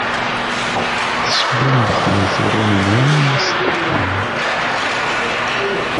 Tesbumbxem turin-nwen s ddexxan.